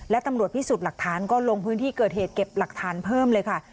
และตำรวจพิสูจน์หลักฐานก็ลงพื้นที่เกิดเหตุเก็บหลักฐานเพิ่มเลยค่ะ